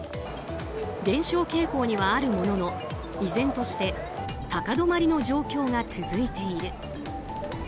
減少傾向にはあるものの依然として高止まりの状況が続いている。